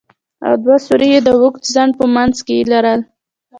او دوه سوري يې د اوږدو څنډو په منځ کښې لرل.